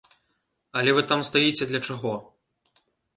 Але вы там стаіце для чаго?